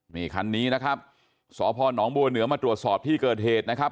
นี่คันนี้นะครับสพนบัวเหนือมาตรวจสอบที่เกิดเหตุนะครับ